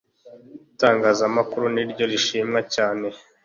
itangazamakuru niryo rishimwa cyane